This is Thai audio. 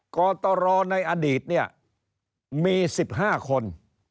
กตลในอดีตมี๑๕คน